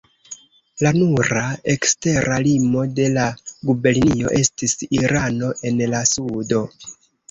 La nura ekstera limo de la gubernio estis Irano, en la sudo.